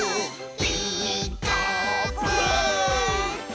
「ピーカーブ！」